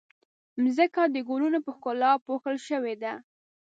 ځمکه د ګلونو په ښکلا پوښل شوې ده.